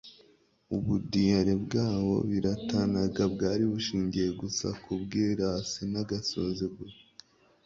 Ubundiyare bwabo biratanaga bwari bushingiye gusa ku bwirasi n'agasuzuguro.